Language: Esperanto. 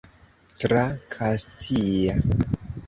Tra Kastia.